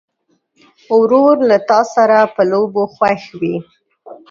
ورور له تا سره په لوبو خوښ وي.